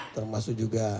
termasuk juga umroh